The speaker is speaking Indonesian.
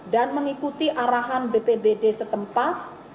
dan mengikuti arahan bpbd setempat